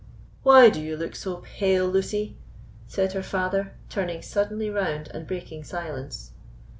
"Why do you look so pale, Lucy?" said her father, turning suddenly round and breaking silence.